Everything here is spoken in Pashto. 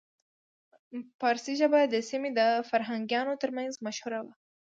پارسي ژبه د سیمې د فرهنګیانو ترمنځ مشهوره وه